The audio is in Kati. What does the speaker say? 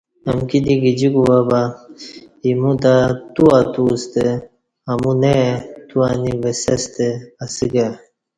امکی دی گجی کوبہ بہ اِیمو تہ تو اتو استہ امو نہ ائی تو انی وسہ ستہ اسہ کہ